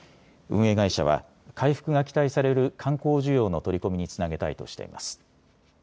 運営会社は回復が期待される観光需要の取り込みにつなげたいとしています。